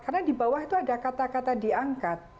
karena di bawah itu ada kata kata diangkat